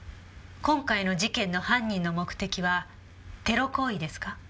今回の事件の犯人の目的はテロ行為ですか？